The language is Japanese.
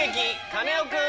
カネオくん」。